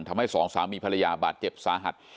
ทำให้สองสามมีภรรยาบาดเจ็บสาหัส